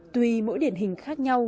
tùy mỗi điển hình khác nhau